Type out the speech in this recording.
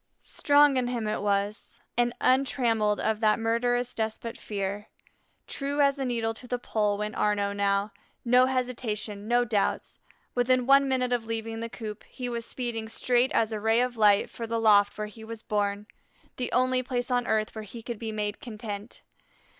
Strong in him it was, and untrammelled of that murderous despot Fear. True as a needle to the Pole went Arnaux now, no hesitation, no doubts; within one minute of leaving the coop he was speeding straight as a ray of light for the loft where he was born, the only place on earth where he could be made content.